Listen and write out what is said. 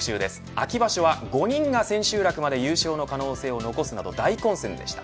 秋場所は５人が千秋楽まで優勝の可能性を残すなど大混戦でした。